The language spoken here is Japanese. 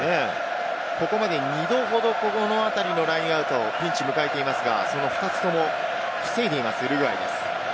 ここまで２度ほど、この辺りのラインアウトでピンチを迎えていますが、その２つとも防いでいます、ウルグアイです。